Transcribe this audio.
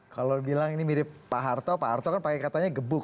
kalau bilang ini mirip pak harto pak harto kan pakai katanya gebuk